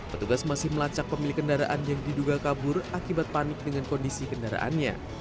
petugas masih melacak pemilik kendaraan yang diduga kabur akibat panik dengan kondisi kendaraannya